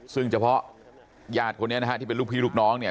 ซึ่งเฉพาะญาติคนนี้นะฮะที่เป็นลูกพี่ลูกน้องเนี่ย